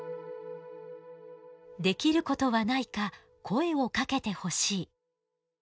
「できることはないか声をかけて欲しい」。